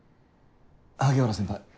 萩原先輩